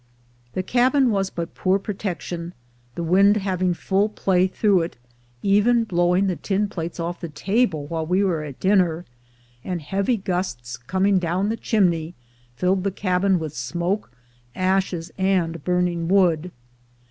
The cabin was but poor protection, the wind GROWING OVER NIGHT 237 having full play through it, even blowing the tin plates off the table while we were at dinner; and heavy gusts coming down the chimney filled the cabin with smoke, ashes, and burning wood.